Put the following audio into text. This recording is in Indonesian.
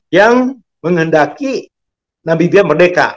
yang menghendaki namibia merdeka